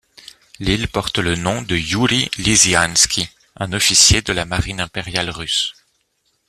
L'île porte le nom de Iouri Lisianski, un officier de la marine impériale russe.